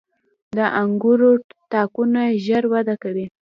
• د انګورو تاکونه ژر وده کوي.